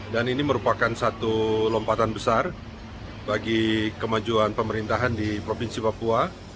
dan ini merupakan satu lompatan besar bagi kemajuan pemerintahan di provinsi papua